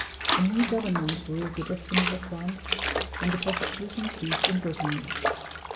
A new government ruled the destinies of France, and the persecution ceased in Brittany.